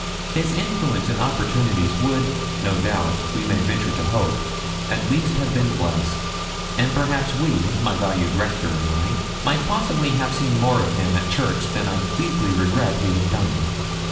His influence and opportunities would, no doubt, we may venture to hope, at least have been blessed; and, perhaps, we my valued rector and I might possibly have seen more of him at church, than, I deeply regret, we have done.'